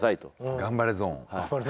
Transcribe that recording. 頑張れゾーン。